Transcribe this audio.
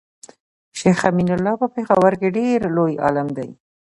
شيخ امين الله په پيښور کي ډير لوي عالم دی